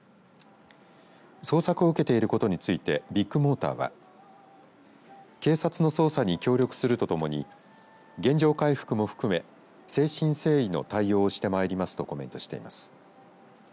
捜索を受けていることについてビッグモーターは警察の捜査に協力するとともに原状回復も含め誠心誠意の対応をしてまいりますとコメントしています。